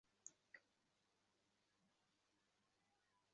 সেই রাত্রেই সীতারাম সপরিবারে যশোহর ছাড়িয়া রায়গড়ে পলাইল।